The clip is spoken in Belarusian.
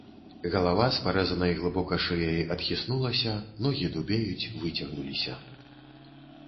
Галава з парэзанай глыбока шыяй адхіснулася, ногі дубеюць, выцягнуліся.